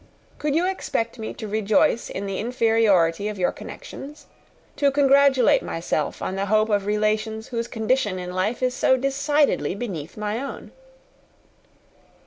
Could you expect me to rejoice in the inferiority of your connections? to congratulate myself on the hope of relations whose condition in life is so decidedly beneath my own?"